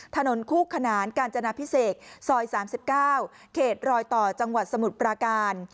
ถนนคู่ขนานกาญจนาพิเศษซอย๓๙เขตรอยต่อจังหวัดสมุทรปราการ